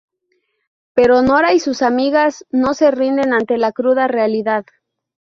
Pero Nora y sus amigas no se rinden ante la cruda realidad.